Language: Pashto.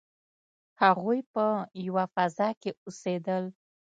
هغوی په یوه فضا کې اوسیدل.